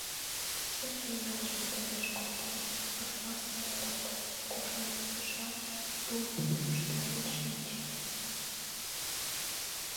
Сергей, йолжым тореш колтен, ошма серым куржын кӱзышат, тулдӱрыш толын шинче.